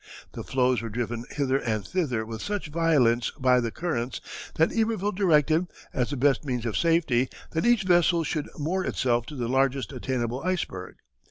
The floes were driven hither and thither with such violence by the currents that Iberville directed, as the best means of safety, that each vessel should moor itself to the largest attainable iceberg.